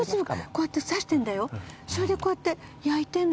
それでこうやって焼いてんの。